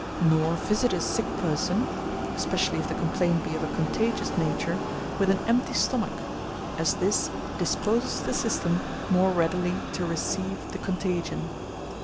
Nor visit a sick person (especially if the complaint be of a contagious nature) with an empty stomach; as this disposes the system more readily to receive the contagion.